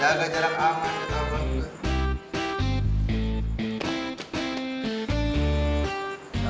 ya agak jarang aman ditabung juga